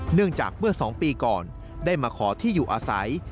เนื่องจากเมื่อ๒ปีก่อนได้มาขอที่อยู่อาศัย